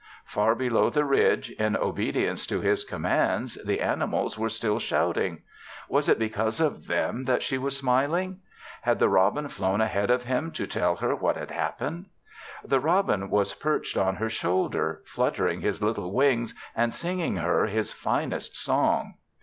Far below the ridge, in obedience to his commands, the animals were still shouting. Was it because of them that she was smiling? Had the robin flown ahead of him to tell her what had happened? The robin was perched on her shoulder, fluttering his little wings and singing her his finest song.